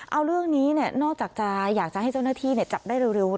เอาเรื่องนี้นอกจากจะอยากจะให้เจ้าหน้าที่จับได้เร็ว